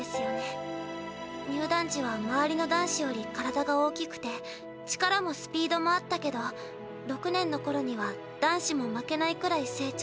入団時は周りの男子より体が大きくて力もスピードもあったけど６年の頃には男子も負けないくらい成長してきて。